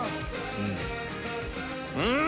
うん！